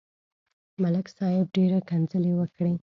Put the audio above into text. ملک صاحب ډېره کنځلې وکړې.